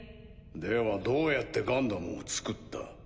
ではどうやってガンダムを造った？